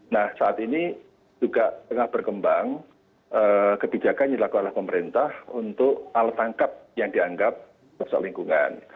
nah saat ini juga tengah berkembang kebijakan yang dilakukan oleh pemerintah untuk alat tangkap yang dianggap rusak lingkungan